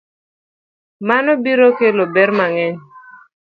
Mano biro kelo ber mang'eny